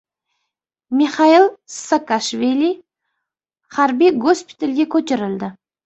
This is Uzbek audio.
Mixail Saakashvili harbiy gospitalga ko‘chirildi